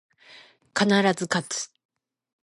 必ず、かつ